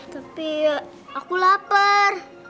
tapi aku lapar